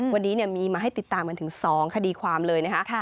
วันนี้มีมาให้ติดตามกันถึง๒คดีความเลยนะคะ